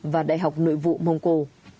và đại học nội vụ mông cổ